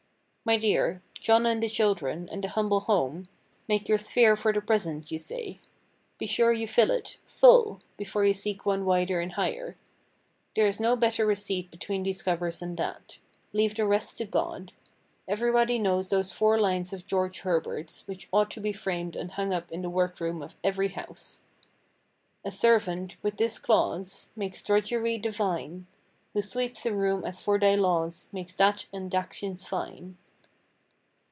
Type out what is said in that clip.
My dear, John and the children, and the humble home, make your sphere for the present, you say. Be sure you fill it—full! before you seek one wider and higher. There is no better receipt between these covers than that. Leave the rest to God. Everybody knows those four lines of George Herbert's, which ought to be framed and hung up in the work room of every house:— "A servant, with this clause, Makes drudgery divine; Who sweeps a room as for Thy laws Makes that and th' action fine."